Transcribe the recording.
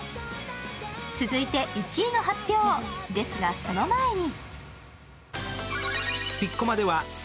続いて１位の発表ですが、その前に。